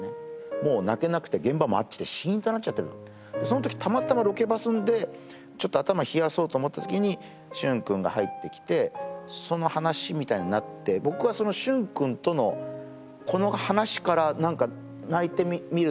もう泣けなくて現場もあっちでシーンとなっちゃってるのそのときたまたまロケバスでちょっと頭冷やそうと思ったときに旬君が入ってきてその話みたいになって僕はその旬君とのこの話からなんか泣いてみる